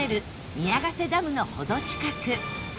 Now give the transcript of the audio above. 宮ヶ瀬ダムのほど近く